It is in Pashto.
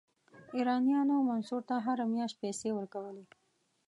ایرانیانو منصور ته هره میاشت پیسې ورکولې.